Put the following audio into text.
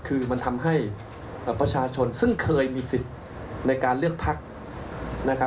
คือมันทำให้ประชาชนซึ่งเคยมีสิทธิ์ในการเลือกพัก